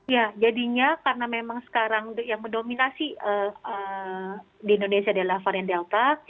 ya jadinya karena memang sekarang yang mendominasi di indonesia adalah varian delta